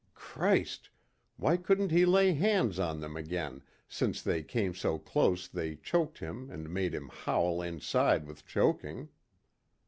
Christ! why couldn't he lay hands on them again since they came so close they choked him and made him howl inside with choking.